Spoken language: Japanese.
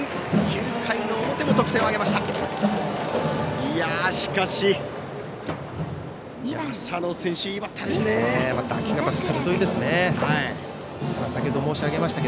９回の表も得点を挙げました。